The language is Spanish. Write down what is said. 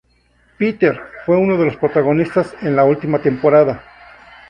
Peter, fue uno de los protagonistas en la última temporada.